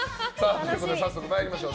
早速参りましょう。